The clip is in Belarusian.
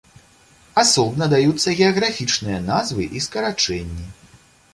Асобна даюцца геаграфічныя назвы і скарачэнні.